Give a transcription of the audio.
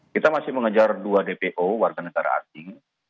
kita masih mengejar dua dpo warga negara asing